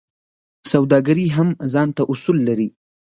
سوداګري هم ځانته اصول لري.